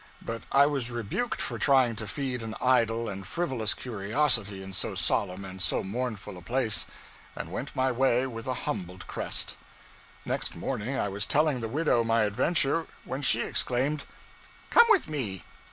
But I was rebuked for trying to feed an idle and frivolous curiosity in so solemn and so mournful a place; and went my way with a humbled crest. Next morning I was telling the widow my adventure, when she exclaimed 'Come with me!